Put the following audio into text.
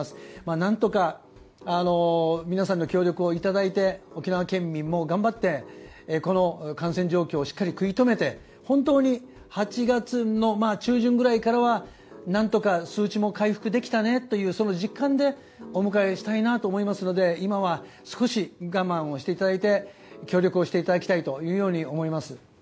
何とか皆さんの協力をいただいて沖縄県民も頑張って、この感染状況をしっかり食い止めて本当に８月の中旬ぐらいからは何とか数値も回復できたねというその実感でお迎えしたいなと思いますので今は少し、我慢をしていただいて協力をしていただきたいと思います。